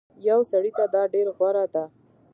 يو سړي ته دا ډير غوره ده